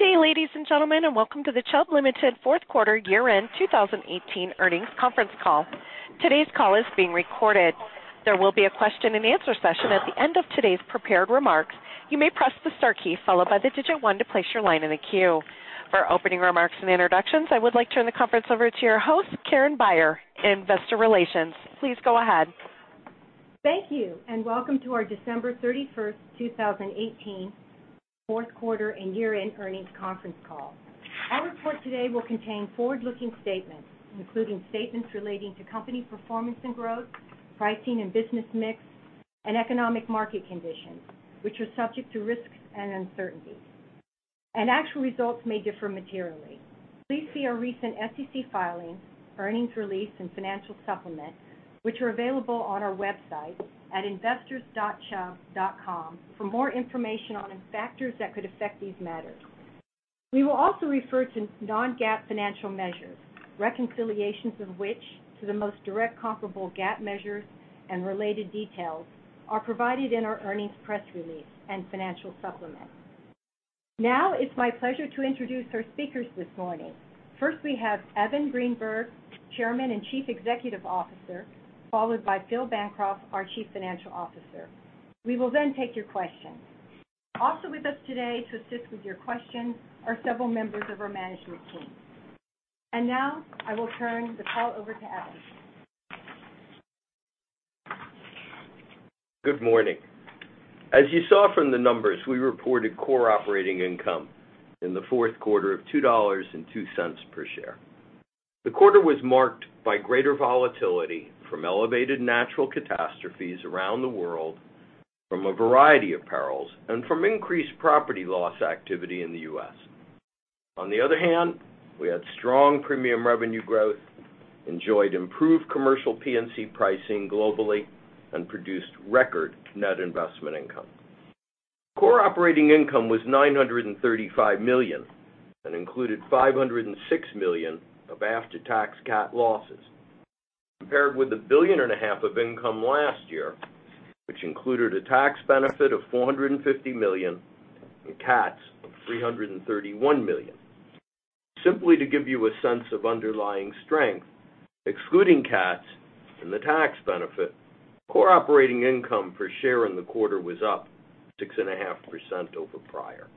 Good day, ladies and gentlemen, and welcome to the Chubb Limited Fourth Quarter Year-End 2018 Earnings Conference Call. Today's call is being recorded. There will be a question and answer session at the end of today's prepared remarks. You may press the star key followed by the 1 to place your line in the queue. For opening remarks and introductions, I would like to turn the conference over to your host, Karen Beyer, Investor Relations. Please go ahead. Thank you, and welcome to our December 31st, 2018 fourth quarter and year-end earnings conference call. Our report today will contain forward-looking statements, including statements relating to company performance and growth, pricing and business mix, and economic market conditions, which are subject to risks and uncertainties. Actual results may differ materially. Please see our recent SEC filings, earnings release, and financial supplement, which are available on our website at investors.chubb.com for more information on factors that could affect these matters. We will also refer to non-GAAP financial measures, reconciliations of which to the most direct comparable GAAP measures and related details are provided in our earnings press release and financial supplement. Now it's my pleasure to introduce our speakers this morning. First, we have Evan Greenberg, Chairman and Chief Executive Officer, followed by Philip Bancroft, our Chief Financial Officer. We will then take your questions. Also with us today to assist with your questions are several members of our management team. Now I will turn the call over to Evan. Good morning. As you saw from the numbers, we reported core operating income in the fourth quarter of $2.02 per share. The quarter was marked by greater volatility from elevated natural catastrophes around the world from a variety of perils and from increased property loss activity in the U.S. On the other hand, we had strong premium revenue growth, enjoyed improved commercial P&C pricing globally, and produced record net investment income. Core operating income was $935 million and included $506 million of after-tax CAT losses, compared with $1.5 billion of income last year, which included a tax benefit of $450 million in CATs of $331 million. Simply to give you a sense of underlying strength, excluding CATs and the tax benefit, core operating income per share in the quarter was up 6.5% over prior.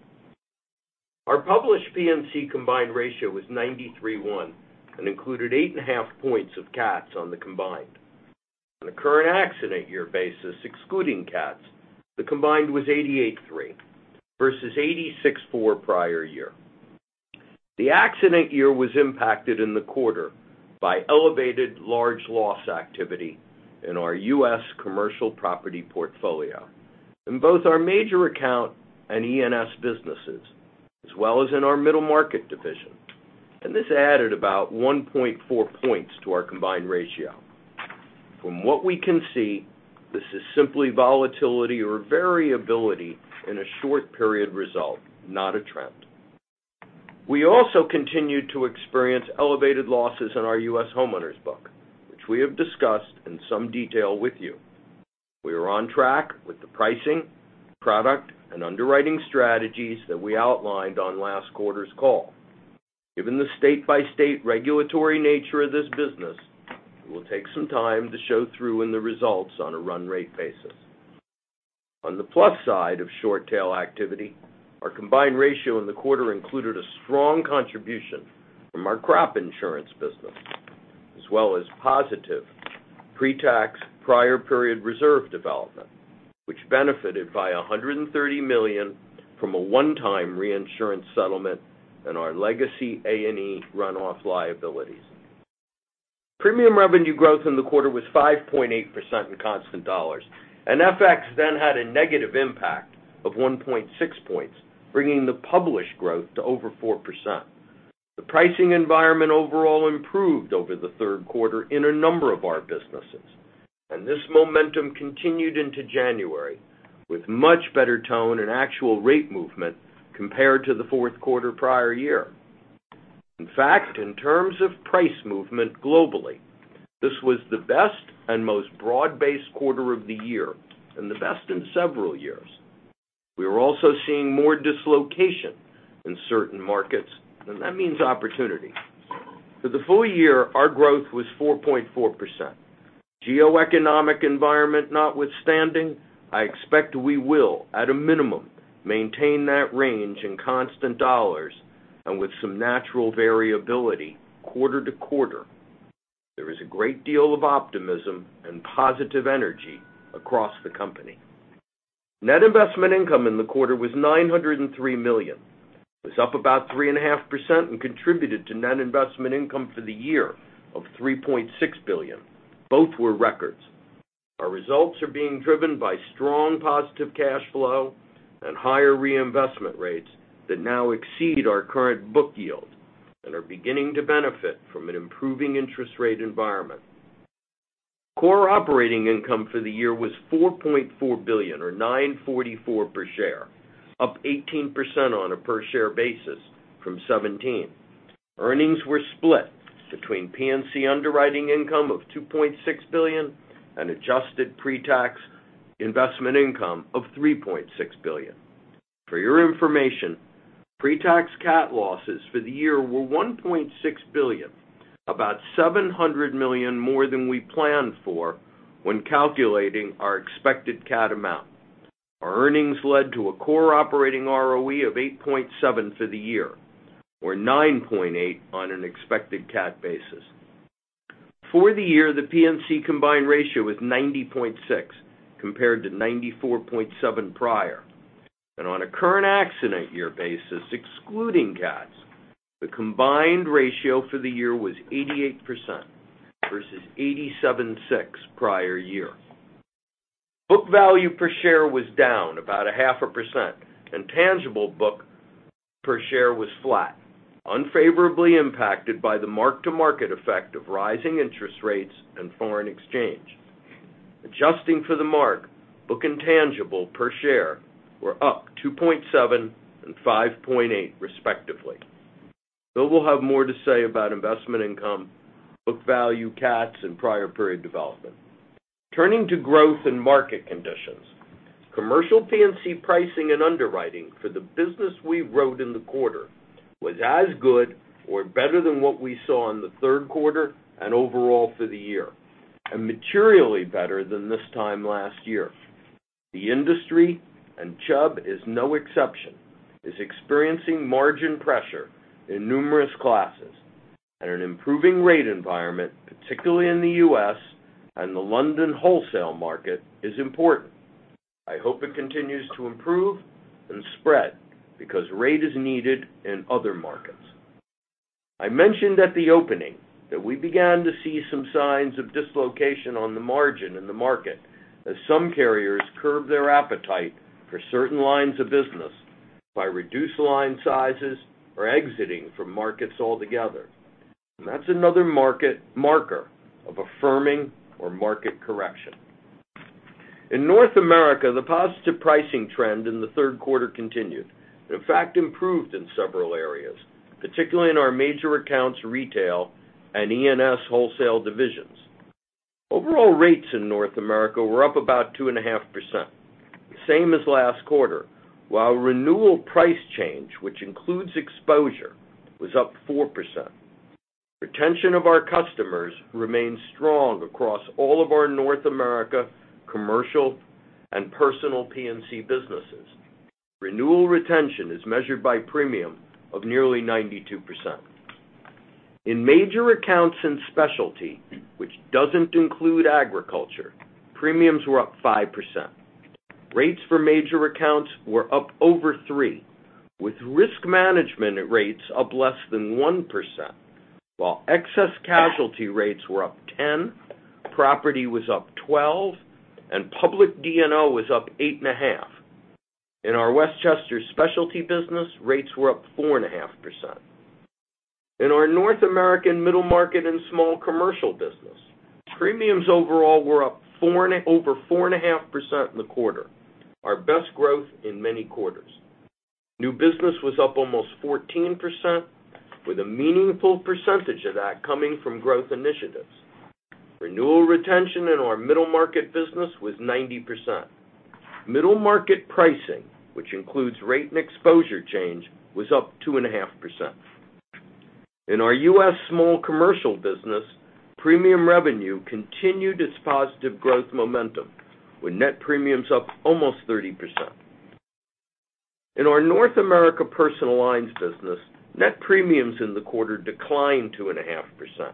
Our published P&C combined ratio was 93.1 and included eight and a half points of CATs on the combined. On a current accident year basis, excluding CATs, the combined was 88.3 versus 86.4 prior year. The accident year was impacted in the quarter by elevated large loss activity in our U.S. commercial property portfolio in both our major account and E&S businesses, as well as in our middle market division. This added about 1.4 points to our combined ratio. From what we can see, this is simply volatility or variability in a short period result, not a trend. We also continued to experience elevated losses in our U.S. homeowners book, which we have discussed in some detail with you. We are on track with the pricing, product, and underwriting strategies that we outlined on last quarter's call. Given the state-by-state regulatory nature of this business, it will take some time to show through in the results on a run rate basis. On the plus side of short tail activity, our combined ratio in the quarter included a strong contribution from our crop insurance business, as well as positive pre-tax prior period reserve development, which benefited by $130 million from a one-time reinsurance settlement in our legacy A&E runoff liabilities. Premium revenue growth in the quarter was 5.8% in constant dollars. FX then had a negative impact of 1.6 points, bringing the published growth to over 4%. The pricing environment overall improved over the third quarter in a number of our businesses. This momentum continued into January with much better tone and actual rate movement compared to the fourth quarter prior year. In fact, in terms of price movement globally, this was the best and most broad-based quarter of the year and the best in several years. We are also seeing more dislocation in certain markets. That means opportunity. For the full year, our growth was 4.4%. Geoeconomic environment notwithstanding, I expect we will, at a minimum, maintain that range in constant dollars and with some natural variability quarter to quarter. There is a great deal of optimism and positive energy across the company. Net investment income in the quarter was $903 million. It was up about 3.5% and contributed to net investment income for the year of $3.6 billion. Both were records. Our results are being driven by strong positive cash flow and higher reinvestment rates that now exceed our current book yield and are beginning to benefit from an improving interest rate environment. Core operating income for the year was $4.4 billion or 9.44 per share, up 18% on a per share basis from 2017. Earnings were split between P&C underwriting income of $2.6 billion and adjusted pre-tax investment income of $3.6 billion. For your information, pre-tax CAT losses for the year were $1.6 billion, about $700 million more than we planned for when calculating our expected CAT amount. Our earnings led to a core operating ROE of 8.7 for the year, or 9.8 on an expected CAT basis. For the year, the P&C combined ratio was 90.6, compared to 94.7 prior. On a current accident year basis, excluding CATs, the combined ratio for the year was 88% versus 87.6 prior year. Book value per share was down about a half a percent, tangible book per share was flat, unfavorably impacted by the mark-to-market effect of rising interest rates and foreign exchange. Adjusting for the mark, book and tangible per share were up 2.7% and 5.8%, respectively. Phil will have more to say about investment income, book value, CATs, and prior period development. Turning to growth and market conditions, commercial P&C pricing and underwriting for the business we wrote in the quarter was as good or better than what we saw in the third quarter and overall for the year, materially better than this time last year. The industry, and Chubb is no exception, is experiencing margin pressure in numerous classes and an improving rate environment, particularly in the U.S. and the London wholesale market is important. I hope it continues to improve and spread because rate is needed in other markets. I mentioned at the opening that we began to see some signs of dislocation on the margin in the market as some carriers curb their appetite for certain lines of business by reduced line sizes or exiting from markets altogether. That's another market marker of a firming or market correction. In North America, the positive pricing trend in the third quarter continued. In fact, improved in several areas, particularly in our major accounts retail and E&S wholesale divisions. Overall rates in North America were up about 2.5%, same as last quarter, while renewal price change, which includes exposure, was up 4%. Retention of our customers remains strong across all of our North America commercial and personal P&C businesses. Renewal retention is measured by premium of nearly 92%. In major accounts and specialty, which doesn't include agriculture, premiums were up 5%. Rates for major accounts were up over 3%, with risk management rates up less than 1%, while excess casualty rates were up 10%, property was up 12%, and public D&O was up 8.5%. In our Westchester specialty business, rates were up 4.5%. In our North American middle market and small commercial business, premiums overall were up over 4.5% in the quarter, our best growth in many quarters. New business was up almost 14%, with a meaningful percentage of that coming from growth initiatives. Renewal retention in our middle market business was 90%. Middle market pricing, which includes rate and exposure change, was up 2.5%. In our U.S. small commercial business, premium revenue continued its positive growth momentum with net premiums up almost 30%. In our North America personal lines business, net premiums in the quarter declined 2.5%.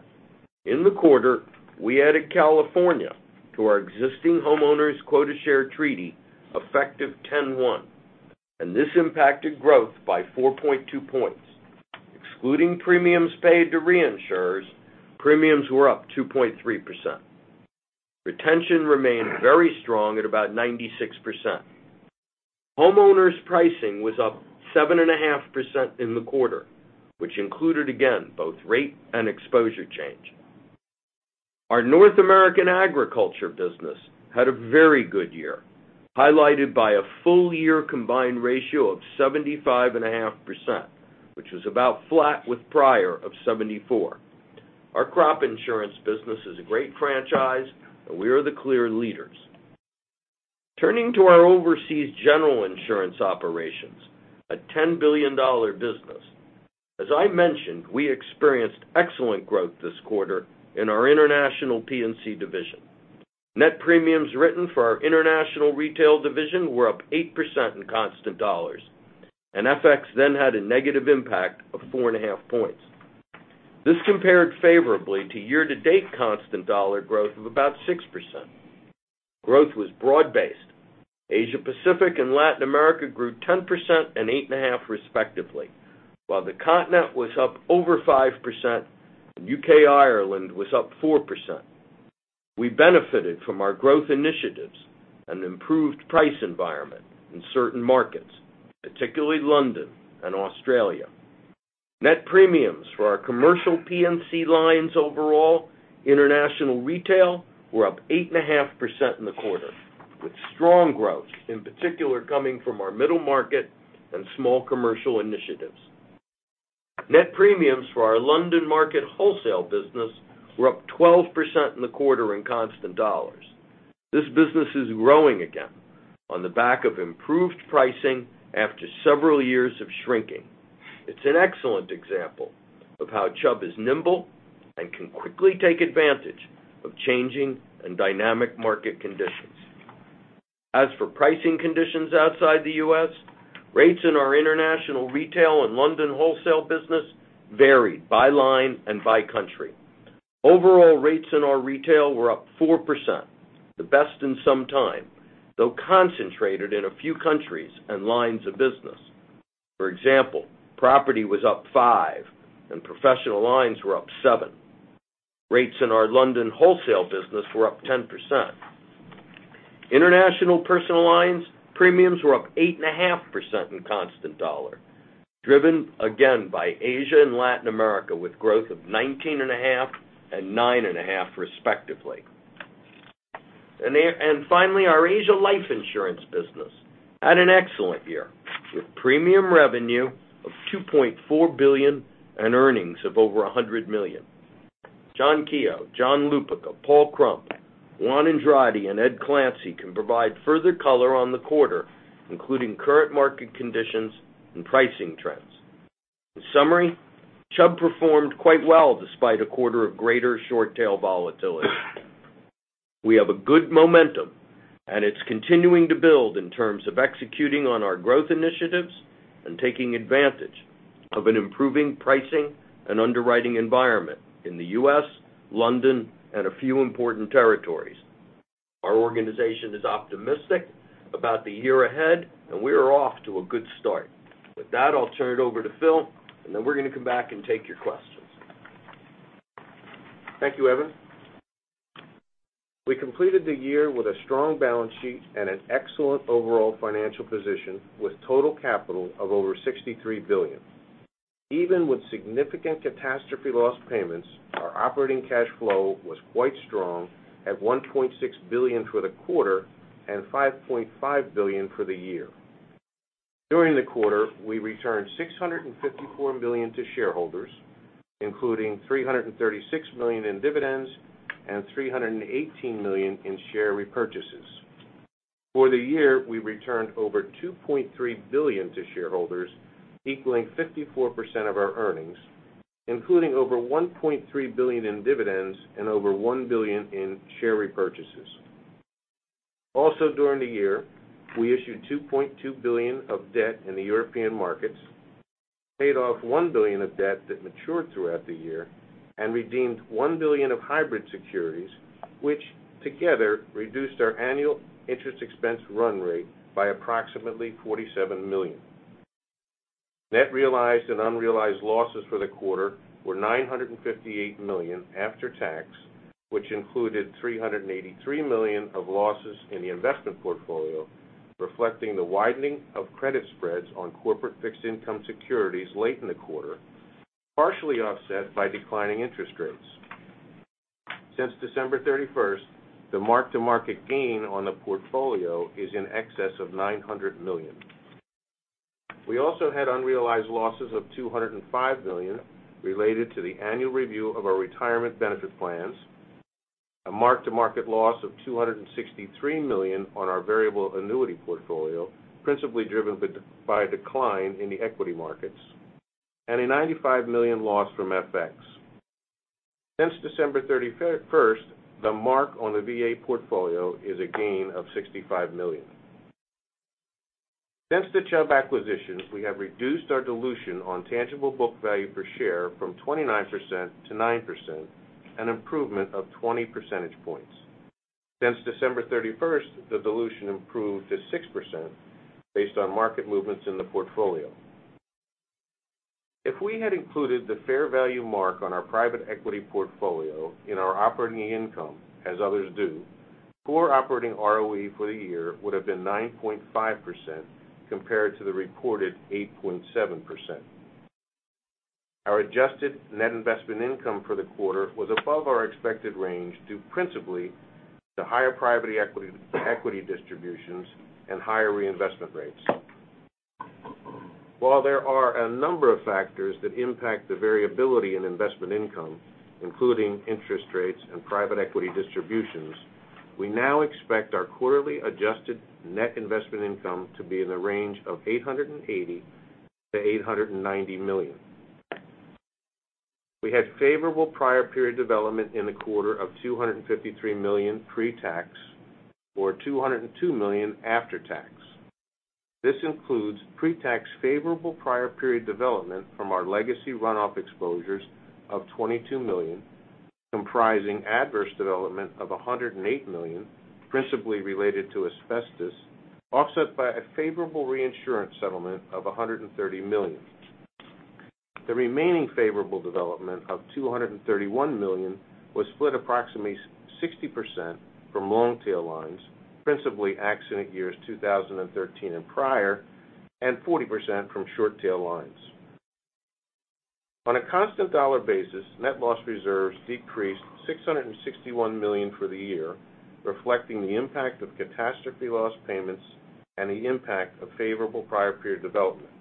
In the quarter, we added California to our existing homeowners quota share treaty effective ten one, this impacted growth by 4.2 points. Excluding premiums paid to reinsurers, premiums were up 2.3%. Retention remained very strong at about 96%. Homeowners' pricing was up 7.5% in the quarter, which included, again, both rate and exposure change. Our North American agriculture business had a very good year, highlighted by a full year combined ratio of 75.5%, which was about flat with prior of 74%. Our crop insurance business is a great franchise, and we are the clear leaders. Turning to our overseas general insurance operations, a $10 billion business. As I mentioned, we experienced excellent growth this quarter in our international P&C division. Net premiums written for our international retail division were up 8% in constant dollars, FX then had a negative impact of 4.5 points. This compared favorably to year-to-date constant dollar growth of about 6%. Growth was broad-based. Asia-Pacific and Latin America grew 10% and 8.5%, respectively, while the continent was up over 5% and U.K., Ireland was up 4%. We benefited from our growth initiatives and improved price environment in certain markets, particularly London and Australia. Net premiums for our commercial P&C lines overall, international retail were up 8.5% in the quarter, with strong growth in particular coming from our middle market and small commercial initiatives. Net premiums for our London market wholesale business were up 12% in the quarter in constant dollars. This business is growing again on the back of improved pricing after several years of shrinking. It's an excellent example of how Chubb is nimble and can quickly take advantage of changing and dynamic market conditions. As for pricing conditions outside the U.S., rates in our international retail and London wholesale business varied by line and by country. Overall rates in our retail were up 4%, the best in some time, though concentrated in a few countries and lines of business. For example, property was up five and professional lines were up seven. Rates in our London wholesale business were up 10%. International personal lines premiums were up 8.5% in constant dollar, driven again by Asia and Latin America, with growth of 19.5 and 9.5 respectively. Finally, our Asia Life Insurance business had an excellent year with premium revenue of $2.4 billion and earnings of over $100 million. John Keogh, John Lupica, Paul Krump, Juan Andrade, and Ed Clancy can provide further color on the quarter, including current market conditions and pricing trends. In summary, Chubb performed quite well despite a quarter of greater short tail volatility. We have a good momentum and it's continuing to build in terms of executing on our growth initiatives and taking advantage of an improving pricing and underwriting environment in the U.S., London, and a few important territories. Our organization is optimistic about the year ahead and we are off to a good start. With that, I'll turn it over to Phil and then we're going to come back and take your questions. Thank you, Evan. We completed the year with a strong balance sheet and an excellent overall financial position with total capital of over $63 billion. Even with significant catastrophe loss payments, our operating cash flow was quite strong at $1.6 billion for the quarter and $5.5 billion for the year. During the quarter, we returned $654 million to shareholders, including $336 million in dividends and $318 million in share repurchases. For the year, we returned over $2.3 billion to shareholders, equaling 54% of our earnings, including over $1.3 billion in dividends and over $1 billion in share repurchases. Also during the year, we issued $2.2 billion of debt in the European markets, paid off $1 billion of debt that matured throughout the year, and redeemed $1 billion of hybrid securities, which together reduced our annual interest expense run rate by approximately $47 million. Net realized and unrealized losses for the quarter were $958 million after tax, which included $383 million of losses in the investment portfolio, reflecting the widening of credit spreads on corporate fixed income securities late in the quarter, partially offset by declining interest rates. Since December 31st, the mark-to-market gain on the portfolio is in excess of $900 million. We also had unrealized losses of $205 million related to the annual review of our retirement benefit plans, a mark-to-market loss of $263 million on our variable annuity portfolio, principally driven by a decline in the equity markets, and a $95 million loss from FX. Since December 31st, the mark on the VA portfolio is a gain of $65 million. Since the Chubb acquisition, we have reduced our dilution on tangible book value per share from 29% to 9%, an improvement of 20 percentage points. Since December 31st, the dilution improved to 6% based on market movements in the portfolio. If we had included the fair value mark on our private equity portfolio in our operating income, as others do, core operating ROE for the year would have been 9.5% compared to the reported 8.7%. Our adjusted net investment income for the quarter was above our expected range due principally to higher private equity distributions and higher reinvestment rates. While there are a number of factors that impact the variability in investment income, including interest rates and private equity distributions, we now expect our quarterly adjusted net investment income to be in the range of $880 million to $890 million. We had favorable prior period development in the quarter of $253 million pre-tax, or $202 million after tax. This includes pre-tax favorable prior period development from our legacy run-off exposures of $22 million, comprising adverse development of $108 million, principally related to asbestos, offset by a favorable reinsurance settlement of $130 million. The remaining favorable development of $231 million was split approximately 60% from long tail lines, principally accident years 2013 and prior, and 40% from short tail lines. On a constant dollar basis, net loss reserves decreased $661 million for the year, reflecting the impact of catastrophe loss payments and the impact of favorable prior period development.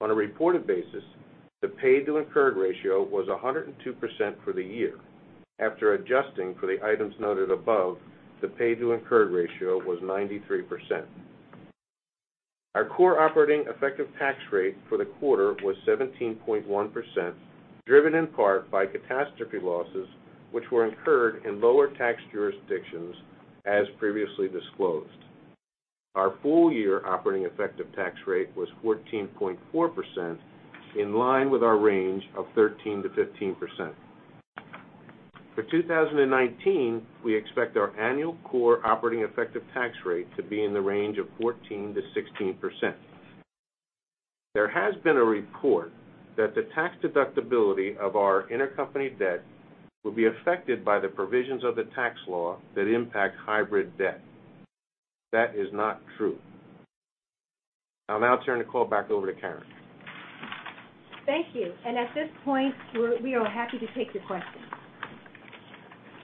On a reported basis, the paid to incurred ratio was 102% for the year. After adjusting for the items noted above, the paid to incurred ratio was 93%. Our core operating effective tax rate for the quarter was 17.1%, driven in part by catastrophe losses, which were incurred in lower tax jurisdictions as previously disclosed. Our full-year operating effective tax rate was 14.4%, in line with our range of 13%-15%. For 2019, we expect our annual core operating effective tax rate to be in the range of 14%-16%. There has been a report that the tax deductibility of our intercompany debt will be affected by the provisions of the tax law that impact hybrid debt. That is not true. I'll now turn the call back over to Karen. Thank you. At this point, we are happy to take your questions.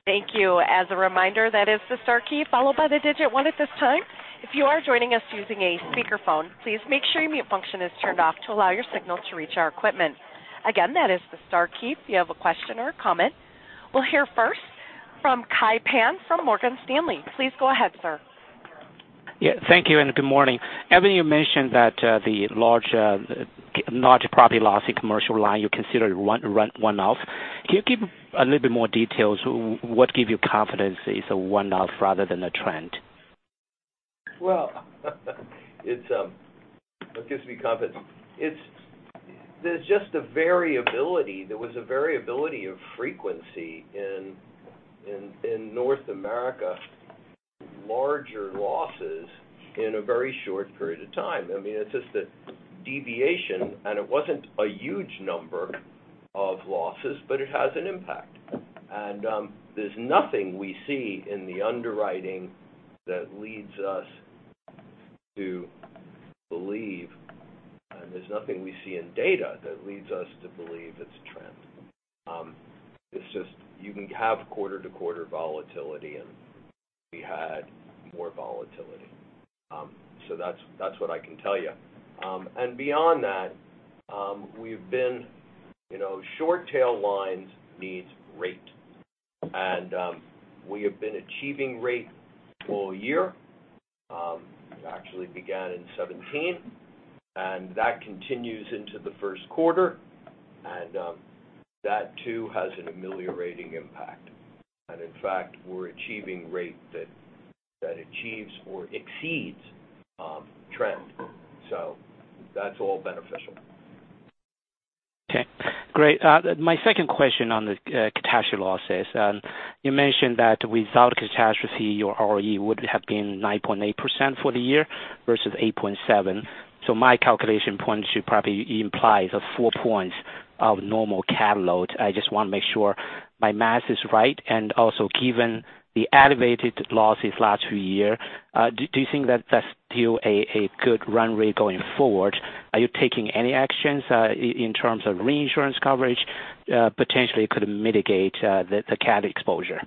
Thank you. As a reminder, that is the star key followed by the digit 1 at this time. If you are joining us using a speakerphone, please make sure your mute function is turned off to allow your signal to reach our equipment. Again, that is the star key if you have a question or a comment. We'll hear first from Kai Pan from Morgan Stanley. Please go ahead, sir. Yeah, thank you, and good morning. Evan, you mentioned that the large property loss in commercial line, you consider it a one-off. Can you give a little bit more details, what give you confidence it's a one-off rather than a trend? Well, what gives me confidence. There's just a variability. There was a variability of frequency in North America, larger losses in a very short period of time. It's just a deviation, it wasn't a huge number of losses, but it has an impact. There's nothing we see in the underwriting that leads us to believe, there's nothing we see in data that leads us to believe it's a trend. It's just, you can have quarter-to-quarter volatility, and we had more volatility. That's what I can tell you. Beyond that, short tail lines needs rate. We have been achieving rate full-year, it actually began in 2017, and that continues into the first quarter, and that too has an ameliorating impact. In fact, we're achieving rate that achieves or exceeds trend. That's all beneficial. Okay, great. My second question on the catastrophe losses. You mentioned that without catastrophe, your ROE would have been 9.8% for the year versus 8.7%. My calculation points, you probably implies a 4 points of normal cat load. I just want to make sure my math is right. Given the elevated losses last year, do you think that's still a good run rate going forward? Are you taking any actions in terms of reinsurance coverage, potentially it could mitigate the cat exposure?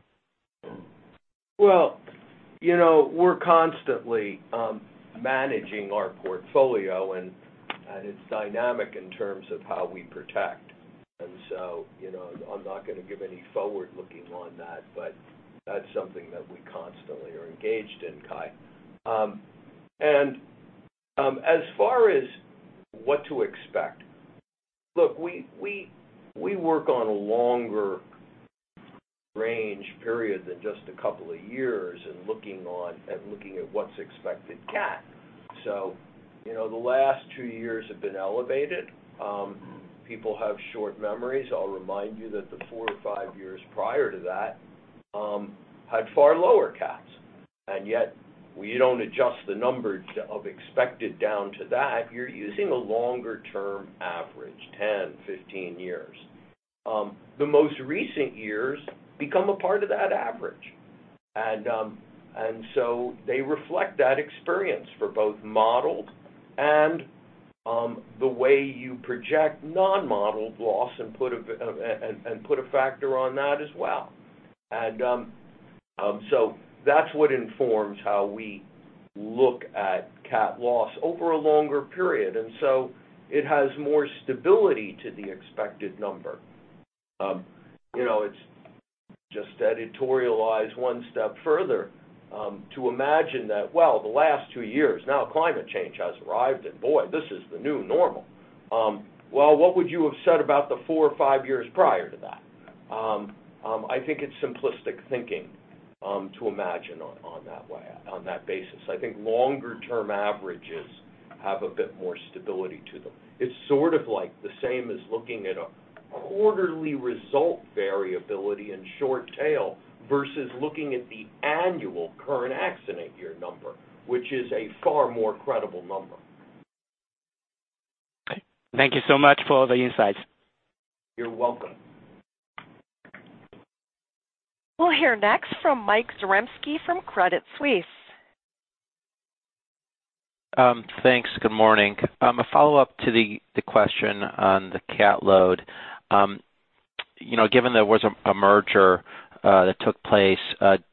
We're constantly managing our portfolio, and it's dynamic in terms of how we protect. I'm not going to give any forward-looking on that. That's something that we constantly are engaged in, Kai. As far as what to expect, look, we work on a longer range period than just a couple of years and looking at what's expected cat. The last 2 years have been elevated. People have short memories. I'll remind you that the 4 to 5 years prior to that had far lower cats. Yet we don't adjust the numbers of expected down to that. You're using a longer-term average, 10, 15 years. The most recent years become a part of that average. They reflect that experience for both modeled and the way you project non-modeled loss and put a factor on that as well. That's what informs how we look at cat loss over a longer period. It has more stability to the expected number. It's just editorialize one step further to imagine that, the last 2 years, now climate change has arrived, this is the new normal. What would you have said about the 4 or 5 years prior to that? I think it's simplistic thinking to imagine on that basis. I think longer-term averages have a bit more stability to them. It's sort of like the same as looking at a quarterly result variability in short tail versus looking at the annual current accident year number, which is a far more credible number. Okay. Thank you so much for the insights. You're welcome. We'll hear next from Mike Zaremski from Credit Suisse. Thanks. Good morning. A follow-up to the question on the cat load. Given there was a merger that took place, can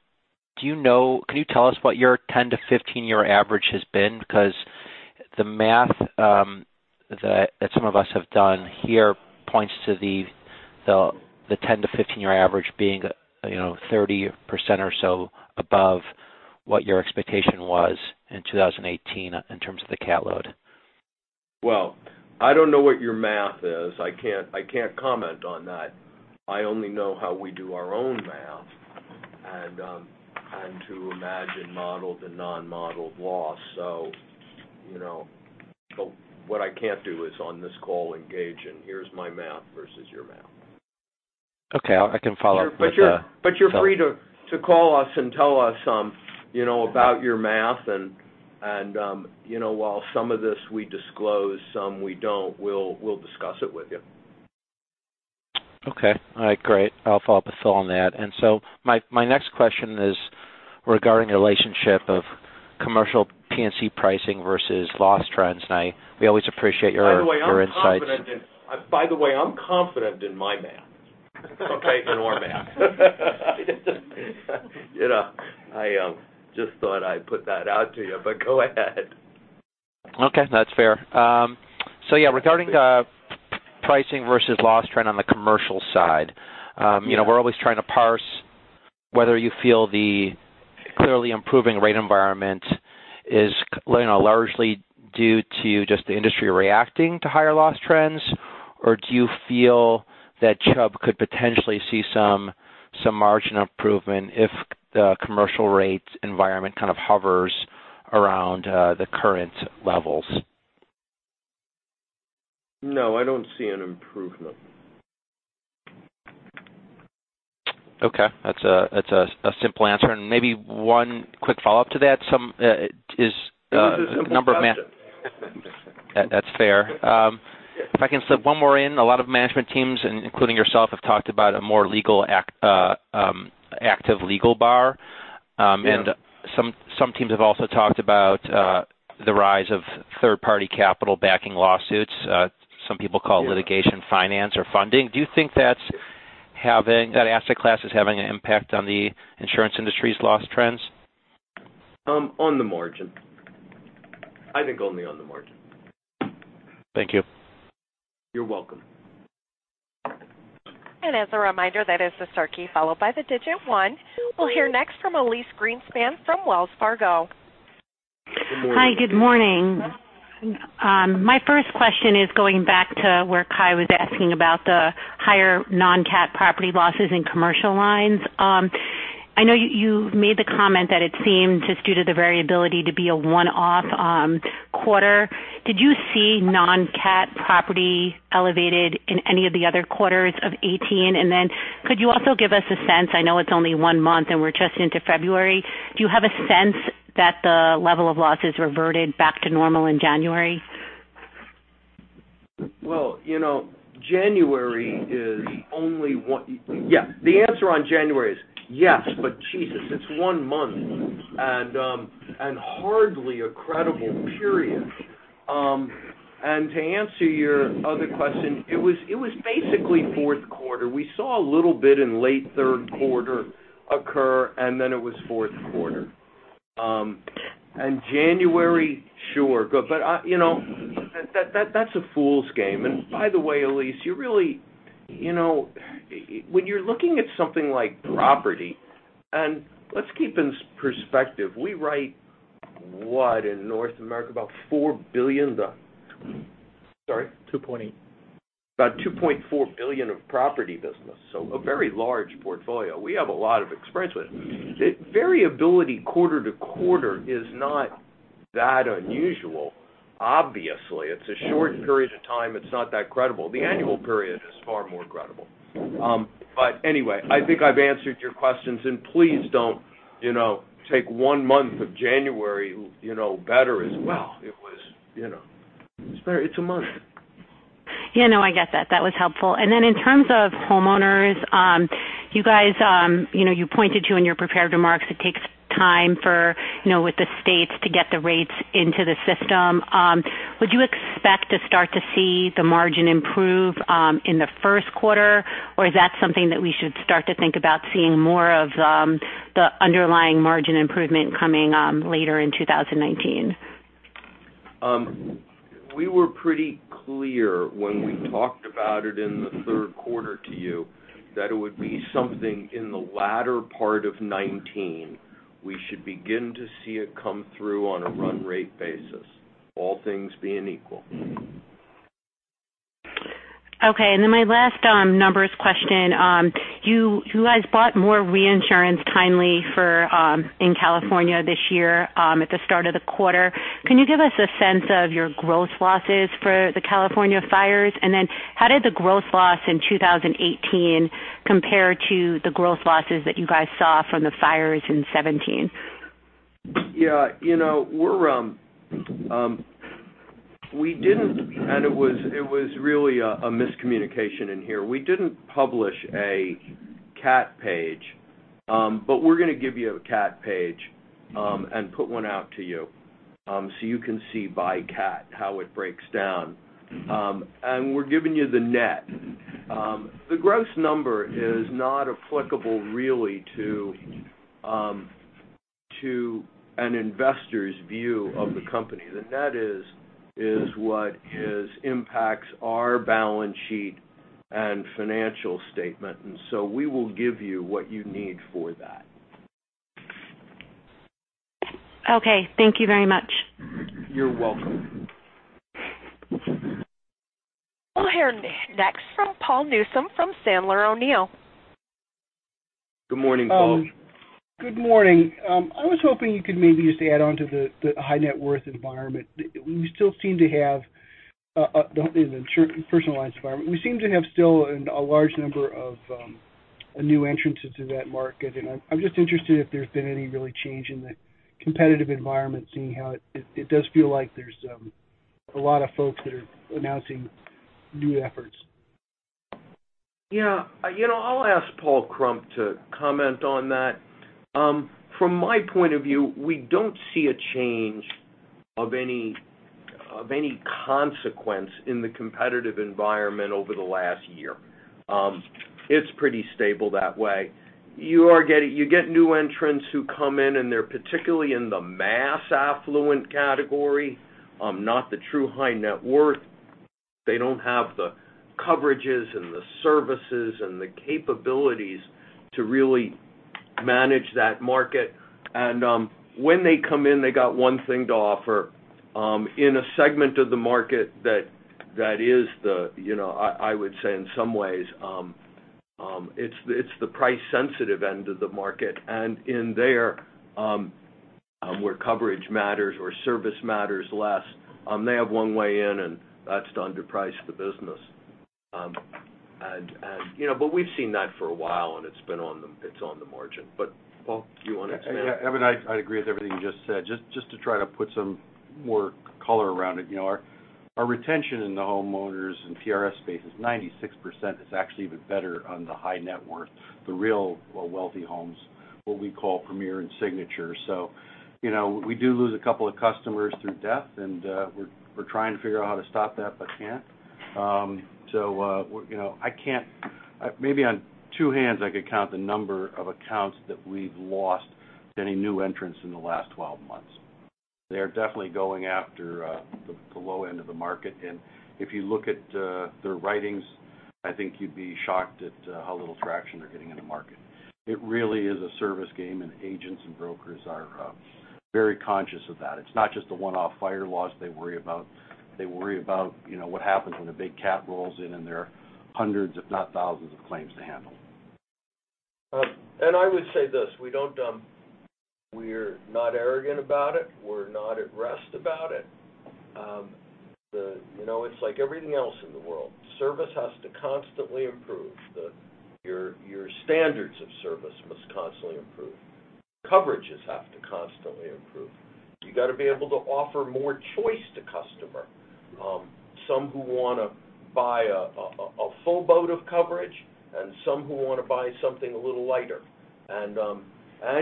you tell us what your 10 to 15-year average has been? The math that some of us have done here points to the 10 to 15-year average being 30% or so above what your expectation was in 2018 in terms of the cat load. Well, I don't know what your math is. I can't comment on that. I only know how we do our own math and to imagine modeled and non-modeled loss. What I can't do is on this call engage in, here's my math versus your math. Okay. I can follow up. You're free to call us and tell us about your math and while some of this we disclose, some we don't, we'll discuss it with you. Okay. All right, great. I'll follow up with Phil on that. My next question is regarding the relationship of commercial P&C pricing versus loss trends. We always appreciate your insights. By the way, I'm confident in my math. Okay. In our math. I just thought I'd put that out to you, but go ahead. Okay. No, that's fair. Yeah, regarding pricing versus loss trend on the commercial side. We're always trying to parse whether you feel the clearly improving rate environment is largely due to just the industry reacting to higher loss trends, or do you feel that Chubb could potentially see some margin improvement if the commercial rate environment kind of hovers around the current levels? No, I don't see an improvement. Okay. That's a simple answer, and maybe one quick follow-up to that. It was a simple question. That's fair. If I can slip one more in. A lot of management teams, including yourself, have talked about a more active legal bar. Yeah. Some teams have also talked about the rise of third-party capital backing lawsuits. Yeah litigation finance or funding. Do you think that asset class is having an impact on the insurance industry's loss trends? On the margin. I think only on the margin. Thank you. You're welcome. As a reminder, that is the star key, followed by the digit one. We'll hear next from Elyse Greenspan from Wells Fargo. Good morning. Hi. Good morning. My first question is going back to where Kai was asking about the higher non-CAT property losses in commercial lines. I know you made the comment that it seemed just due to the variability to be a one-off quarter. Did you see non-CAT property elevated in any of the other quarters of 2018? Could you also give us a sense, I know it's only one month and we're just into February, do you have a sense that the level of losses reverted back to normal in January? January is only one. Yeah. The answer on January is yes, but Jesus, it's one month and hardly a credible period. To answer your other question, it was basically fourth quarter. We saw a little bit in late third quarter occur, it was fourth quarter. January, sure. That's a fool's game. By the way, Elyse, when you're looking at something like property, and let's keep in perspective, we write, what, in North America, about $4 billion? Sorry? $2.8 billion. About $2.4 billion of property business. A very large portfolio. We have a lot of experience with it. Variability quarter-to-quarter is not that unusual. Obviously, it's a short period of time. It's not that credible. The annual period is far more credible. I think I've answered your questions, please don't take one month of January better as well. It's a month. I get that. That was helpful. In terms of homeowners, you pointed to in your prepared remarks, it takes time with the states to get the rates into the system. Would you expect to start to see the margin improve in the first quarter, or is that something that we should start to think about seeing more of the underlying margin improvement coming later in 2019? We were pretty clear when we talked about it in the third quarter to you that it would be something in the latter part of 2019. We should begin to see it come through on a run rate basis, all things being equal. Okay, my last numbers question. You guys bought more reinsurance timely in California this year at the start of the quarter. Can you give us a sense of your gross losses for the California fires? How did the gross loss in 2018 compare to the gross losses that you guys saw from the fires in 2017? Yeah. We didn't, it was really a miscommunication in here. We didn't publish a CAT page. We're going to give you a CAT page and put one out to you, so you can see by CAT how it breaks down. We're giving you the net. The gross number is not applicable really to an investor's view of the company. The net is what impacts our balance sheet and financial statement, we will give you what you need for that. Okay. Thank you very much. You're welcome. We'll hear next from Paul Newsome from Sandler O'Neill. Good morning, Paul. Good morning. I was hoping you could maybe just add on to the high net worth environment. We still seem to have, in the personal lines environment, we seem to have still a large number of new entrants into that market. I'm just interested if there's been any really change in the competitive environment, seeing how it does feel like there's a lot of folks that are announcing new efforts. Yeah. I'll ask Paul Krump to comment on that. From my point of view, we don't see a change of any consequence in the competitive environment over the last year. It's pretty stable that way. You get new entrants who come in. They're particularly in the mass affluent category, not the true high net worth. They don't have the coverages and the services and the capabilities to really manage that market. When they come in, they got one thing to offer, in a segment of the market that is the, I would say in some ways, it's the price-sensitive end of the market. In there, where coverage matters or service matters less, they have one way in, and that's to underprice the business. We've seen that for a while, and it's been on the margin. Paul, do you want to expand? Evan, I'd agree with everything you just said. Just to try to put some more color around it. Our retention in the homeowners and TRS space is 96%. It's actually even better on the high net worth, the real wealthy homes, what we call Premier and Signature. We do lose a couple of customers through death and we're trying to figure out how to stop that, can't. Maybe on two hands, I could count the number of accounts that we've lost to any new entrants in the last 12 months. They are definitely going after the low end of the market. If you look at their writings, I think you'd be shocked at how little traction they're getting in the market. It really is a service game. Agents and brokers are very conscious of that. It's not just the one-off fire loss they worry about. They worry about what happens when a big CAT rolls in. There are hundreds if not thousands of claims to handle. I would say this, we're not arrogant about it. We're not at rest about it. It's like everything else in the world. Service has to constantly improve. Your standards of service must constantly improve. Coverages have to constantly improve. You got to be able to offer more choice to customer. Some who want to buy a full boat of coverage and some who want to buy something a little lighter.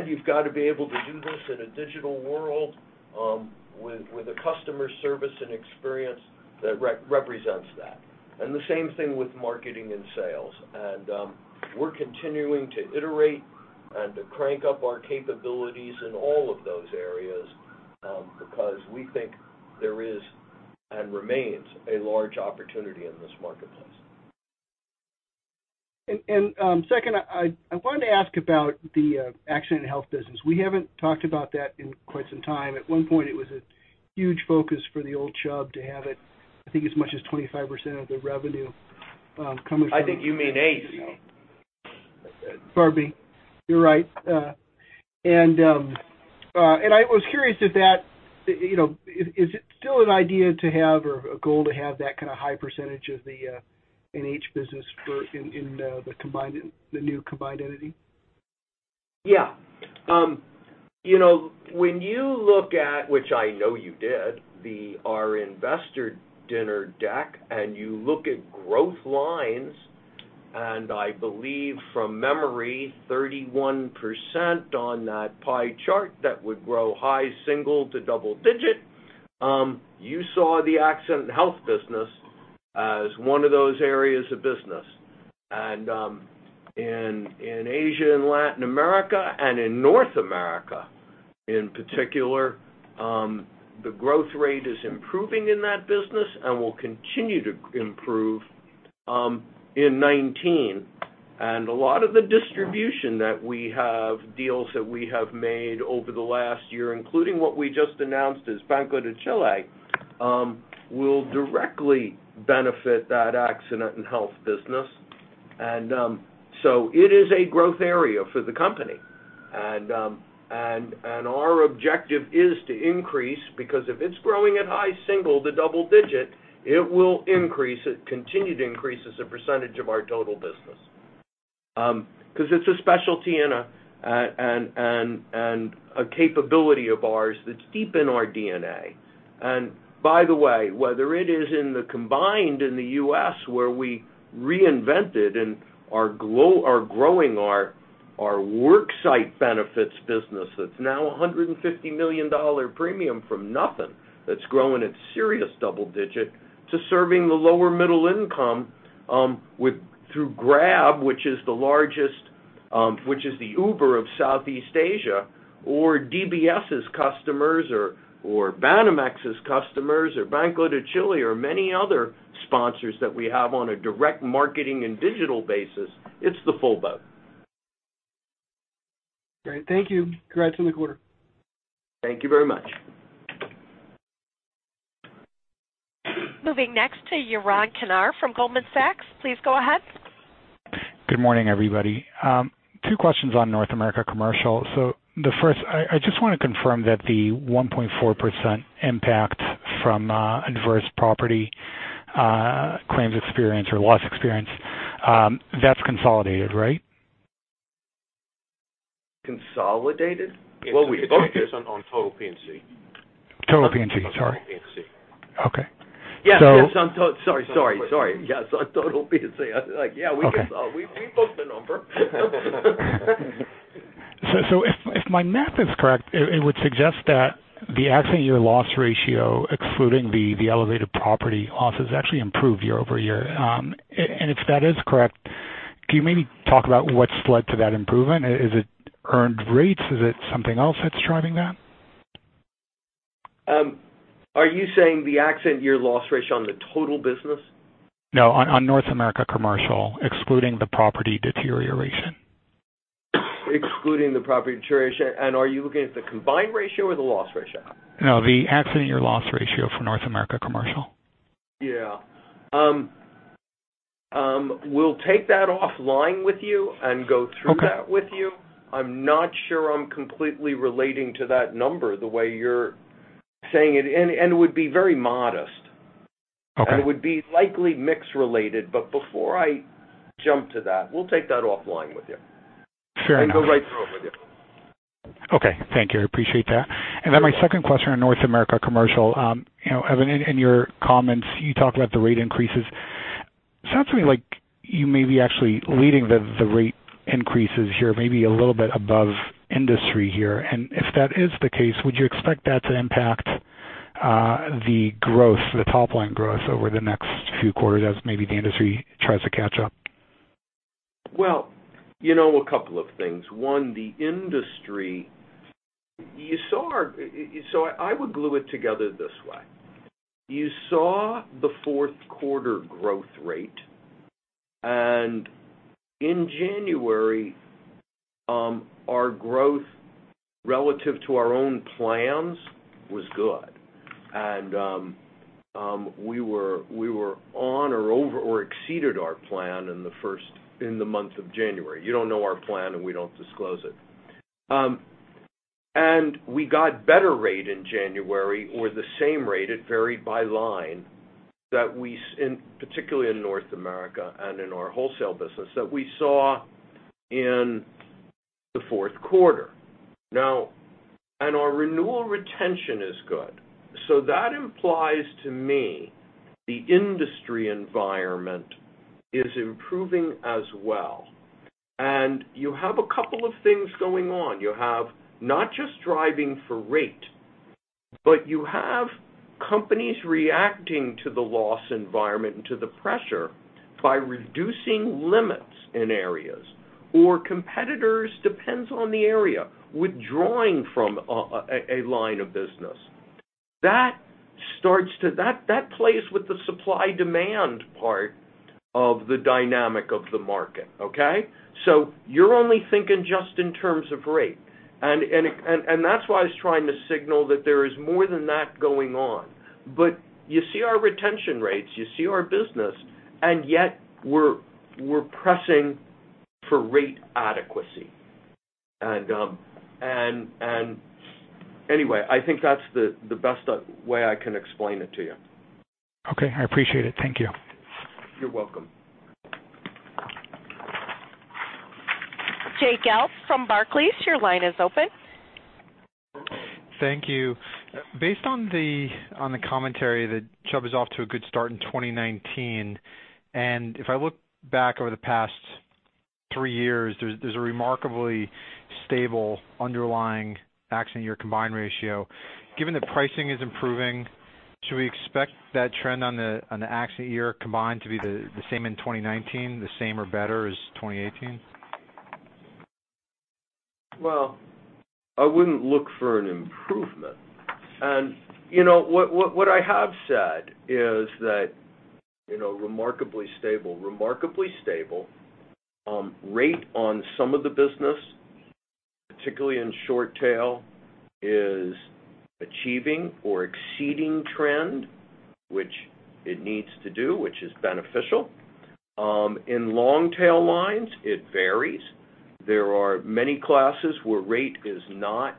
You've got to be able to do this in a digital world with a customer service and experience that represents that. The same thing with marketing and sales. We're continuing to iterate and to crank up our capabilities in all of those areas, because we think there is and remains a large opportunity in this marketplace. Second, I wanted to ask about the Accident & Health business. We haven't talked about that in quite some time. At one point, it was a huge focus for the old Chubb to have it, I think as much as 25% of the revenue coming from- I think you mean ACE. Pardon me. You're right. I was curious if that, is it still an idea to have or a goal to have that kind of high percentage of the A&H business in the new combined entity? Yeah. When you look at, which I know you did, our investor dinner deck, and you look at growth lines, I believe from memory, 31% on that pie chart that would grow high single to double digit, you saw the Accident & Health business as one of those areas of business. In Asia and Latin America and in North America, in particular, the growth rate is improving in that business and will continue to improve in 2019. A lot of the distribution that we have, deals that we have made over the last year, including what we just announced as Banco de Chile, will directly benefit that Accident & Health business. It is a growth area for the company. Our objective is to increase, because if it's growing at high single to double digit, it will increase. It will continue to increase as a percentage of our total business. It's a specialty and a capability of ours that's deep in our DNA. Whether it is in the combined in the U.S., where we reinvented and are growing our worksite benefits business that's now $150 million premium from nothing, that's growing at serious double digit, to serving the lower middle income through Grab, which is the Uber of Southeast Asia, or DBS's customers or Banamex's customers or Banco de Chile or many other sponsors that we have on a direct marketing and digital basis. It's the full boat. Great. Thank you. Congrats on the quarter. Thank you very much. Moving next to Yaron Kinar from Goldman Sachs. Please go ahead. Good morning, everybody. Two questions on North America Commercial. The first, I just want to confirm that the 1.4% impact from adverse property claims experience or loss experience, that's consolidated, right? Consolidated? Well, we had- It's on total P&C. Total P&C, sorry. Total P&C. Okay. Yes, on total. Sorry. Yes. On total P&C. I was like, yeah, we can solve. We book the number. If my math is correct, it would suggest that the accident year loss ratio, excluding the elevated property losses, actually improved year-over-year. If that is correct, can you maybe talk about what's led to that improvement? Is it earned rates? Is it something else that's driving that? Are you saying the accident year loss ratio on the total business? No, on North America Commercial, excluding the property deterioration. Excluding the property deterioration. Are you looking at the combined ratio or the loss ratio? No, the accident year loss ratio for North America Commercial. Yeah. We'll take that offline with you and go through that with you. Okay. I'm not sure I'm completely relating to that number the way you're saying it, and it would be very modest. Okay. It would be likely mix related. Before I jump to that, we'll take that offline with you. Fair enough. Go right through it with you. Okay. Thank you. I appreciate that. Then my second question on North America Commercial. Evan, in your comments, you talk about the rate increases. It sounds to me like you may be actually leading the rate increases here, maybe a little bit above industry here. If that is the case, would you expect that to impact the growth, the top-line growth over the next few quarters as maybe the industry tries to catch up? Well, a couple of things. One, the industry. I would glue it together this way. You saw the fourth quarter growth rate, and in January, our growth relative to our own plans was good. We were on or over or exceeded our plan in the month of January. You don't know our plan, and we don't disclose it. We got better rate in January or the same rate, it varied by line, particularly in North America and in our wholesale business, that we saw in the fourth quarter. Our renewal retention is good. That implies to me the industry environment is improving as well. You have a couple of things going on. You have not just driving for rate, but you have companies reacting to the loss environment and to the pressure by reducing limits in areas or competitors, depends on the area, withdrawing from a line of business. That plays with the supply-demand part of the dynamic of the market. Okay? You're only thinking just in terms of rate. That's why I was trying to signal that there is more than that going on. You see our retention rates, you see our business, and yet we're pressing for rate adequacy. Anyway, I think that's the best way I can explain it to you. Okay. I appreciate it. Thank you. You're welcome. Jay Gelb from Barclays, your line is open. Thank you. Based on the commentary that Chubb is off to a good start in 2019, if I look back over the past three years, there's a remarkably stable underlying accident year combined ratio. Given that pricing is improving, should we expect that trend on the accident year combined to be the same in 2019? The same or better as 2018? Well, I wouldn't look for an improvement. What I have said is that remarkably stable. Rate on some of the business, particularly in short tail, is achieving or exceeding trend, which it needs to do, which is beneficial. In long-tail lines, it varies. There are many classes where rate is not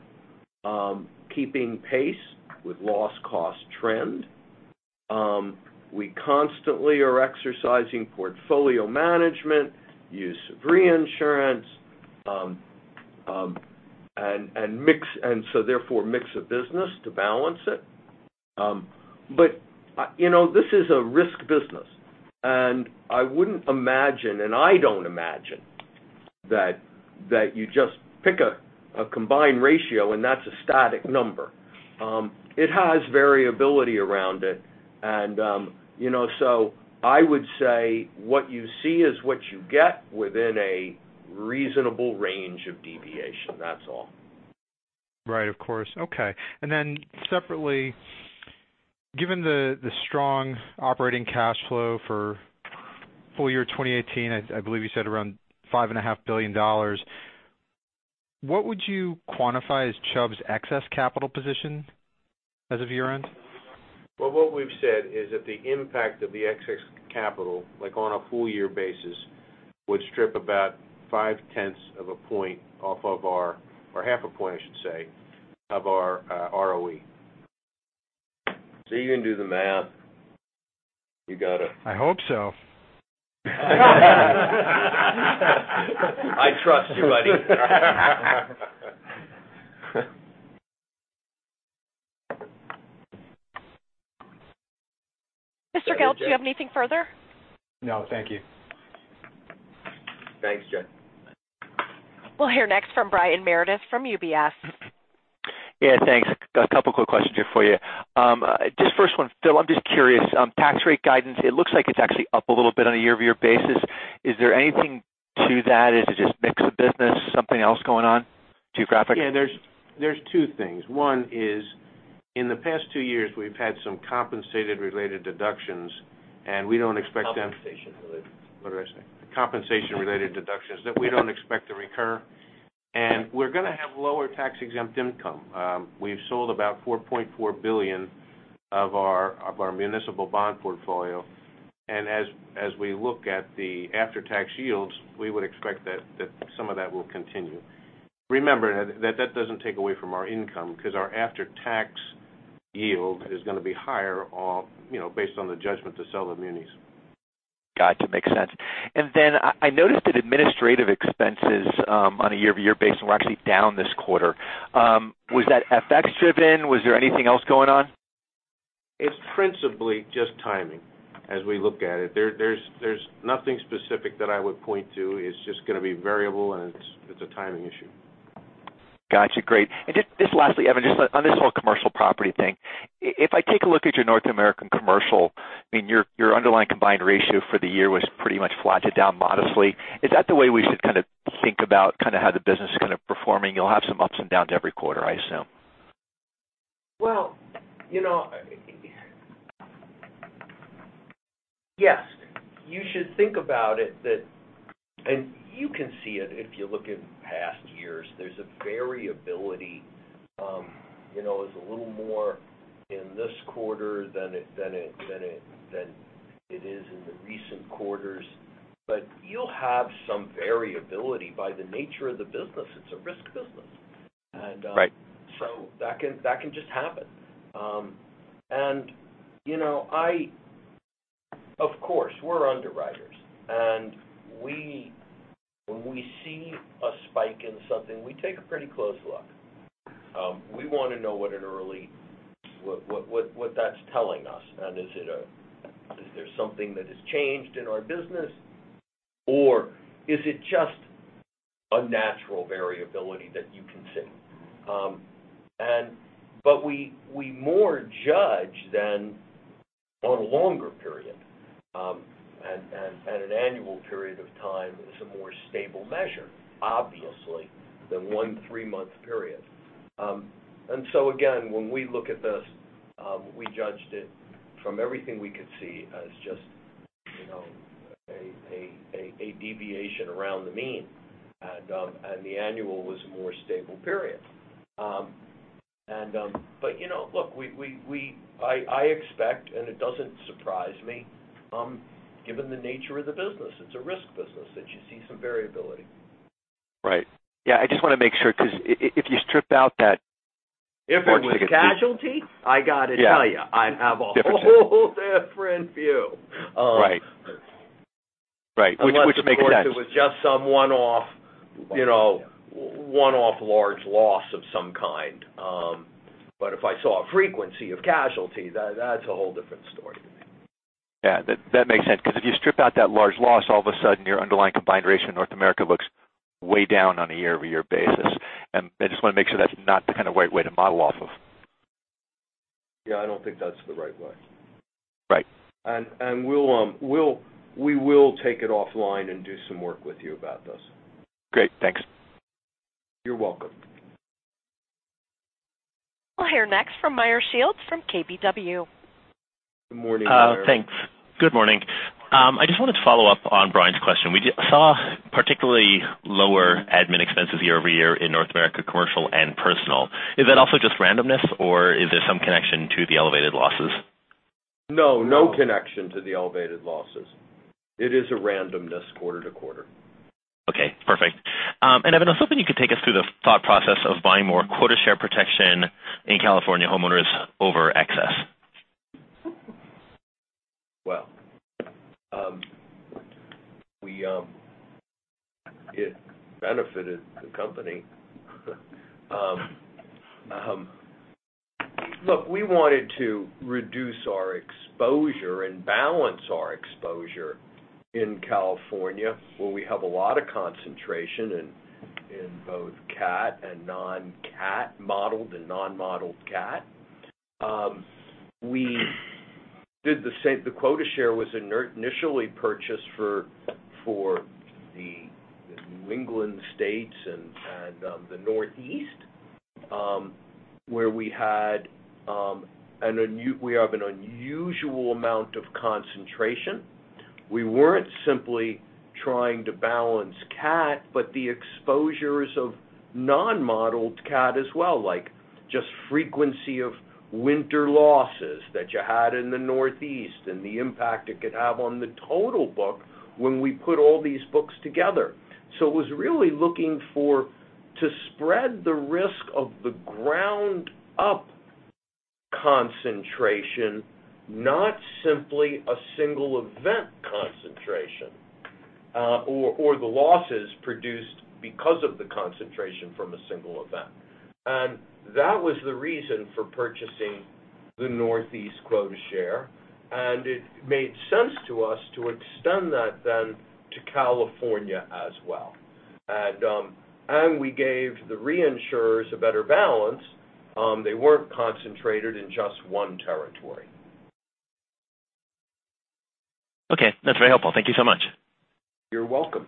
keeping pace with loss cost trend. We constantly are exercising portfolio management, use of reinsurance, therefore mix of business to balance it. This is a risk business, I wouldn't imagine, I don't imagine that you just pick a combined ratio, that's a static number. It has variability around it. I would say what you see is what you get within a reasonable range of deviation, that's all. Right, of course. Okay. Separately, given the strong operating cash flow for full year 2018, I believe you said around $5.5 billion, what would you quantify as Chubb's excess capital position as of year-end? Well, what we've said is that the impact of the excess capital, on a full year basis, would strip about 5/10 of a point off of our, or half a point, I should say, of our ROE. You can do the math. You got it. I hope so. I trust you, buddy. Mr. Gelb, do you have anything further? No, thank you. Thanks, Jay. We'll hear next from Brian Meredith from UBS. Yeah, thanks. A couple quick questions here for you. Just first one, Phil, I'm just curious, tax rate guidance, it looks like it's actually up a little bit on a year-over-year basis. Is there anything to that? Is it just mix of business, something else going on geographic? Yeah, there's two things. One is, in the past two years, we've had some Compensation related deductions, and we don't expect them- Compensation related. What did I say? Compensation related deductions that we don't expect to recur. We're going to have lower tax-exempt income. We've sold about $4.4 billion of our municipal bond portfolio, and as we look at the after-tax yields, we would expect that some of that will continue. Remember, that doesn't take away from our income because our after-tax yield is going to be higher based on the judgment to sell the munis. Got you. Makes sense. Then I noticed that administrative expenses on a year-over-year basis were actually down this quarter. Was that FX driven? Was there anything else going on? It's principally just timing as we look at it. There's nothing specific that I would point to. It's just going to be variable, and it's a timing issue. Got you. Great. Just lastly, Evan, just on this whole commercial property thing, if I take a look at your North American commercial, your underlying combined ratio for the year was pretty much flat to down modestly. Is that the way we should think about how the business is performing? You'll have some ups and downs every quarter, I assume. Well, yes. You should think about it that, you can see it if you look in past years, there's a variability. It's a little more in this quarter than it is in the recent quarters. You'll have some variability by the nature of the business. It's a risk business. Right. That can just happen. Of course, we're underwriters, when we see a spike in something, we take a pretty close look. We want to know what that's telling us, is there something that has changed in our business, or is it just a natural variability that you can see? We more judge than on a longer period. An annual period of time is a more stable measure, obviously, than one three-month period. Again, when we look at this, we judged it from everything we could see as just a deviation around the mean, the annual was a more stable period. Look, I expect, it doesn't surprise me, given the nature of the business. It's a risk business that you see some variability. Right. Yeah, I just want to make sure because if you strip out that- If it was casualty, I got to tell you, I'd have a whole different view. Right. Which makes sense. Unless, of course, it was just some one-off large loss of some kind. If I saw a frequency of casualty, that's a whole different story to me. Yeah, that makes sense because if you strip out that large loss, all of a sudden your underlying combined ratio in North America looks way down on a year-over-year basis. I just want to make sure that's not the kind of right way to model off of. Yeah, I don't think that's the right way. Right. We will take it offline and do some work with you about this. Great. Thanks. You're welcome. We'll hear next from Meyer Shields from KBW. Good morning, Meyer. Thanks. Good morning. I just wanted to follow up on Brian's question. We saw particularly lower admin expenses year-over-year in North America Commercial and Personal. Is that also just randomness, or is there some connection to the elevated losses? No connection to the elevated losses. It is a randomness quarter to quarter. Okay, perfect. Evan, I was hoping you could take us through the thought process of buying more quota share protection in California homeowners over excess. Well, it benefited the company. Look, we wanted to reduce our exposure and balance our exposure in California, where we have a lot of concentration in both CAT and non-CAT modeled and non-modeled CAT. The quota share was initially purchased for the New England states and the Northeast, where we have an unusual amount of concentration. We weren't simply trying to balance CAT, but the exposures of non-modeled CAT as well, like just frequency of winter losses that you had in the Northeast and the impact it could have on the total book when we put all these books together. It was really looking to spread the risk of the ground-up concentration, not simply a single event concentration, or the losses produced because of the concentration from a single event. That was the reason for purchasing the Northeast quota share, and it made sense to us to extend that then to California as well. We gave the reinsurers a better balance. They weren't concentrated in just one territory. Okay. That's very helpful. Thank you so much. You're welcome.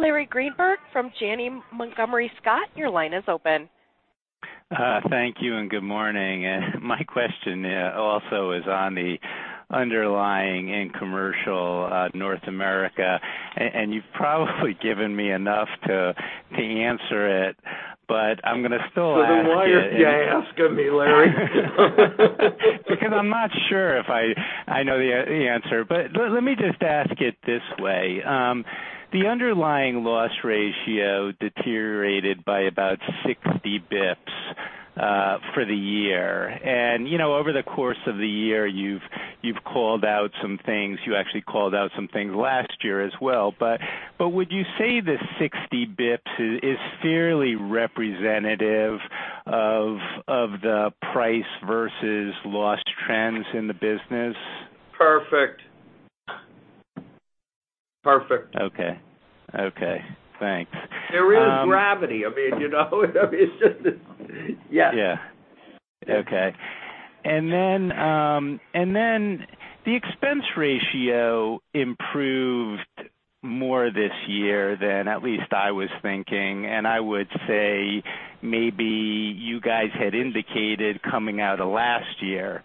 Larry Greenberg from Janney Montgomery Scott, your line is open. Thank you. Good morning. My question also is on the underlying in commercial North America. You've probably given me enough to answer it, but I'm going to still ask it. Why are you asking me, Larry? I'm not sure if I know the answer. Let me just ask it this way. The underlying loss ratio deteriorated by about 60 basis points for the year. Over the course of the year, you've called out some things. You actually called out some things last year as well. Would you say the 60 basis points is fairly representative of the price versus loss trends in the business? Perfect. Okay. Thanks. There is gravity. I mean, you know. Yes. The expense ratio improved more this year than at least I was thinking, I would say maybe you guys had indicated coming out of last year.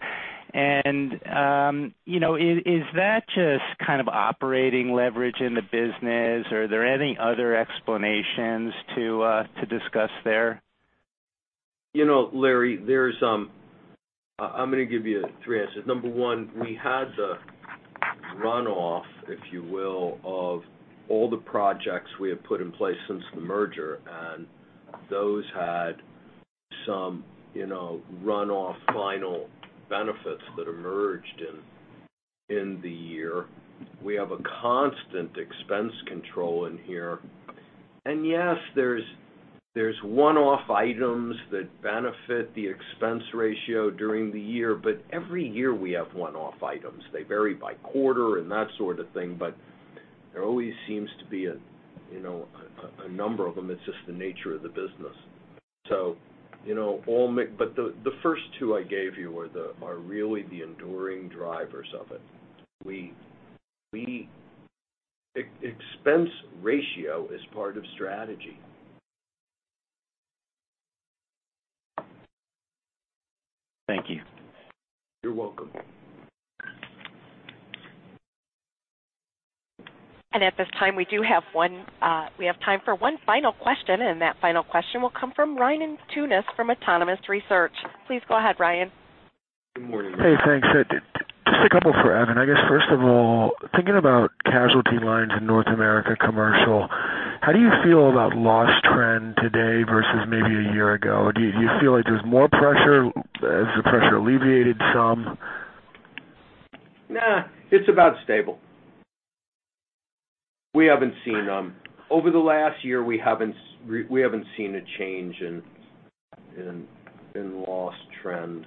Is that just kind of operating leverage in the business, or are there any other explanations to discuss there? Larry, I'm going to give you three answers. Number 1, we had the runoff, if you will, of all the projects we have put in place since the merger, and those had some runoff final benefits that emerged in the year. We have a constant expense control in here. Yes, there's one-off items that benefit the expense ratio during the year, but every year we have one-off items. They vary by quarter and that sort of thing, but there always seems to be a number of them. It's just the nature of the business. The first two I gave you are really the enduring drivers of it. Expense ratio is part of strategy. Thank you. You're welcome. At this time, we have time for one final question, and that final question will come from Ryan Tunis from Autonomous Research. Please go ahead, Ryan. Good morning. Hey, thanks. Just a couple for Evan. I guess, first of all, thinking about casualty lines in North America Commercial, how do you feel about loss trend today versus maybe a year ago? Do you feel like there's more pressure? Has the pressure alleviated some? Nah, it's about stable. Over the last year, we haven't seen a change in loss trend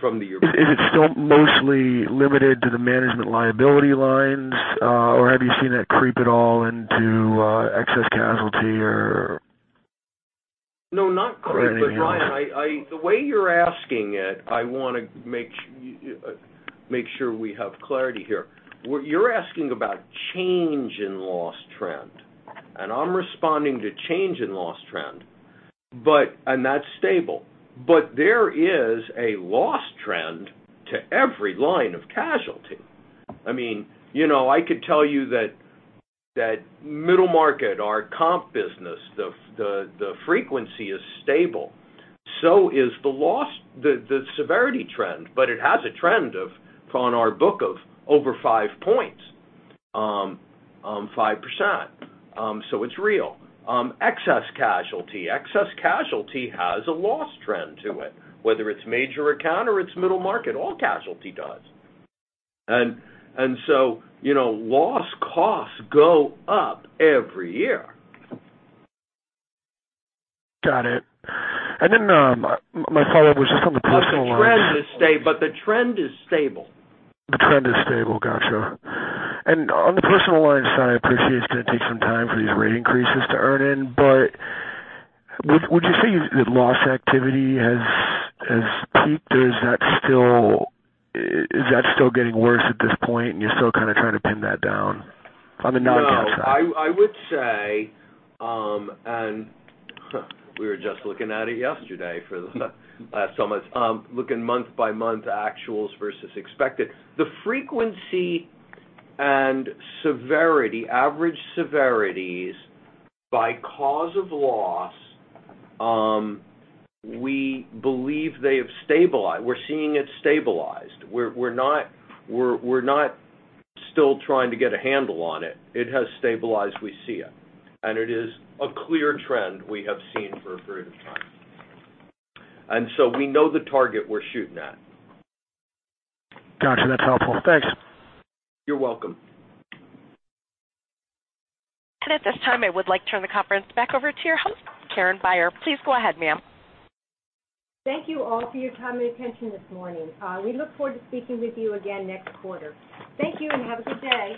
from the year before. Is it still mostly limited to the management liability lines, or have you seen that creep at all into excess casualty? No, not quite. Ryan, the way you're asking it, I want to make sure we have clarity here. You're asking about change in loss trend, I'm responding to change in loss trend, that's stable. There is a loss trend to every line of casualty. I could tell you that middle market, our comp business, the frequency is stable. So is the loss, the severity trend, but it has a trend on our book of over five points, 5%. It's real. Excess casualty has a loss trend to it, whether it's major account or it's middle market. All casualty does. Loss costs go up every year. Got it. My follow-up was just on the personal line. The trend is stable. The trend is stable. Got you. On the personal lines side, I appreciate it's going to take some time for these rate increases to earn in, but would you say that loss activity has peaked, or is that still getting worse at this point and you're still kind of trying to pin that down on the non-CAT side? No. I would say, we were just looking at it yesterday for the last so much. Looking month by month actuals versus expected. The frequency and severity, average severities by cause of loss, we believe they have stabilized. We're seeing it stabilized. We're not still trying to get a handle on it. It has stabilized. We see it. It is a clear trend we have seen for a period of time. We know the target we're shooting at. Got you. That's helpful. Thanks. You're welcome. At this time, I would like to turn the conference back over to your host, Karen Beyer. Please go ahead, ma'am. Thank you all for your time and attention this morning. We look forward to speaking with you again next quarter. Thank you, and have a good day.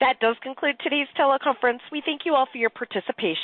That does conclude today's teleconference. We thank you all for your participation.